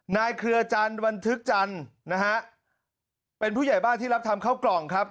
เครือจันทร์บันทึกจันทร์นะฮะเป็นผู้ใหญ่บ้านที่รับทำเข้ากล่องครับ